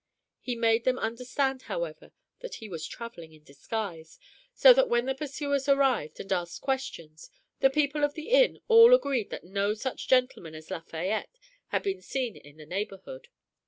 He made them understand, however, that he was traveling in disguise, so that when the pursuers arrived and asked questions, the people of the inn all agreed that no such gentleman as Lafayette had been seen in the neighborhood.